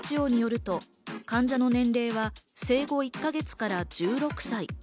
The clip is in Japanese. ＷＨＯによると患者の年齢は生後１か月から１６歳。